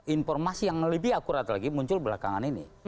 informasi yang lebih akurat lagi muncul belakangan ini